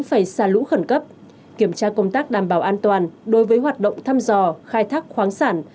phải xả lũ khẩn cấp kiểm tra công tác đảm bảo an toàn đối với hoạt động thăm dò khai thác khoáng sản